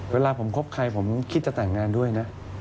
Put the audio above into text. เวลาผมคบใครผมคิดจะแต่งงานด้วยนะ